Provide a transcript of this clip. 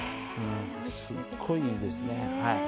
すごいいいですね。